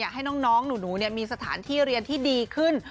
ให้น้องหนูมีสถานที่เรียนที่ดีขึ้น